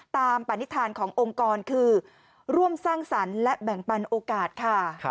ปณิธานขององค์กรคือร่วมสร้างสรรค์และแบ่งปันโอกาสค่ะ